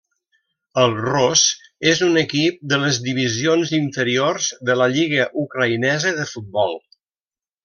El Ros és un equip de les divisions inferiors de la lliga ucraïnesa de futbol.